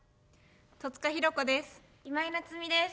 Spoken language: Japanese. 戸塚寛子です。